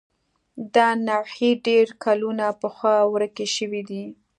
دا نوعې ډېر کلونه پخوا ورکې شوې دي.